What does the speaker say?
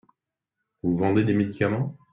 Vous vendez des médicaments ?